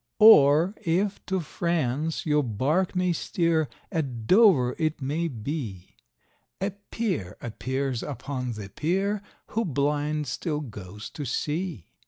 Or, if to France your bark may steer, at Dover it may be, A peer appears upon the pier, who, blind, still goes to sea.